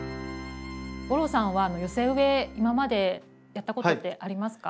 吾郎さんは寄せ植え今までやったことってありますか？